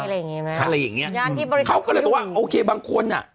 อะไรอย่างงี้ไหมอะไรอย่างเงี้ย่านที่บริการเขาก็เลยบอกว่าโอเคบางคนอ่ะ